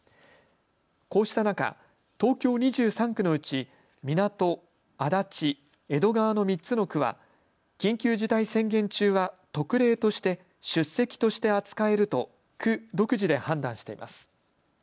こうした中、東京２３区のうち港、足立、江戸川の３つの区は緊急事態宣言中は特例として出席として扱えると区独自で判断しています。